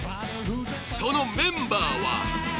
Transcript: そのメンバーは